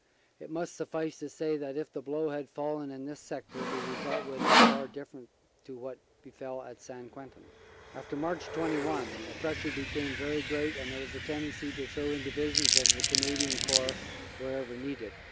It must suffice to say that if the blow had fallen in this sector the result would have been far different to what befell at St. Quentin. After March 21 the pressure became very great and there was a tendency to throw in Divisions of the Canadian Corps wherever needed.